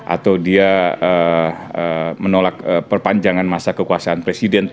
atau dia menolak perpanjangan masa kekuasaan presiden